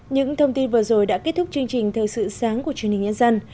những thông tin vừa rồi đã kết thúc chương trình thời sự sáng của truyền hình nhân dân